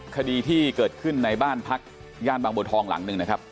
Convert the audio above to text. คดีที่เกิดขึ้นในบ้านพักย่านบางบัวทองหลังหนึ่งนะครับ